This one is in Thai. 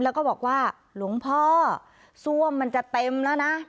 แล้วก็บอกว่าหลวงพ่อซ่วมมันจะเต็มแล้วนะ